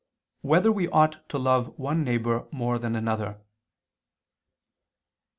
6] Whether We Ought to Love One Neighbor More Than Another?